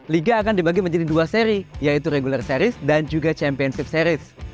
liga akan dibagi menjadi dua seri yaitu regular series dan juga championship series